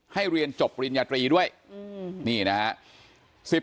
ให้เรียนจบริญญาตรีด้วยนี่นะฮะ